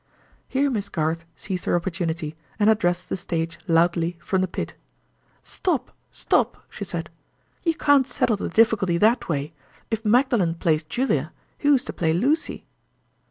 Here Miss Garth seized her opportunity, and addressed the stage loudly from the pit. "Stop! Stop!" she said. "You can't settle the difficulty that way. If Magdalen plays Julia, who is to play Lucy?"